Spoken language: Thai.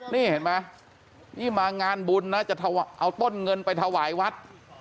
นี่เห็นไหมนี่มางานบุญนะจะเอาต้นเงินไปถวายวัด